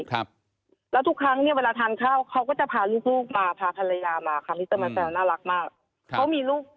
แล้วทุกครั้งเวลาทานข้าวเขาก็จะพาลูกลูกมาพาภรรยามาค่ะมิสเตอร์มันแปลว่าน่ารักมาก